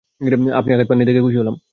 আপনি আঘাত পাননি দেখে খুশি হলাম!